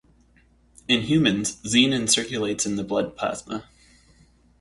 In humans, xenin circulates in the blood plasma.